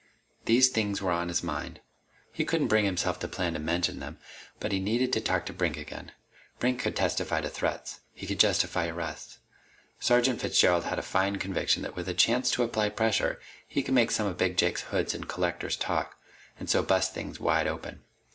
These things were on his mind. He couldn't bring himself to plan to mention them, but he needed to talk to Brink again. Brink could testify to threats. He could justify arrests. Sergeant Fitzgerald had a fine conviction that with a chance to apply pressure, he could make some of Big Jake's hoods and collectors talk, and so bust things wide open.